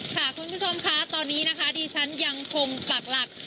ค่ะคุณผู้ชมค่ะตอนนี้นะคะดิฉันยังคงปากหลัก